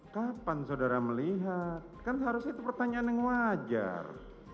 kapan saudara melihat kan seharusnya itu pertanyaan yang wajar